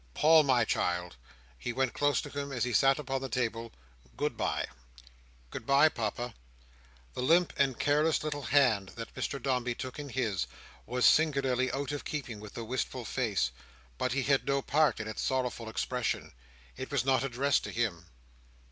Paul, my child," he went close to him, as he sat upon the table. "Good bye." "Good bye, Papa." The limp and careless little hand that Mr Dombey took in his, was singularly out of keeping with the wistful face. But he had no part in its sorrowful expression. It was not addressed to him.